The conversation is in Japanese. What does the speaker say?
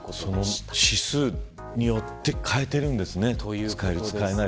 暑さ指数によって変えているんですね。